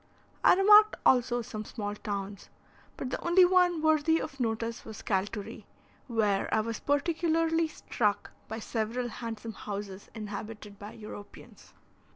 I remarked also some small towns, but the only one worthy of notice was Calturi, where I was particularly struck by several handsome houses inhabited by Europeans.